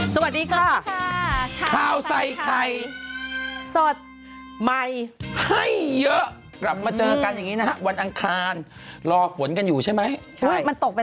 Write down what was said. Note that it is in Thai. สวัสดีค่ะข้าวใส่ไข่